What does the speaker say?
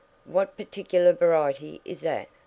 "What particular variety is that?"